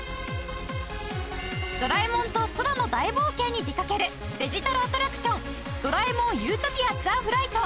ドラえもんと空の大冒険に出かけるデジタルアトラクションドラえもん理想郷ザ・フライト